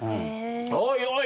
「おいおい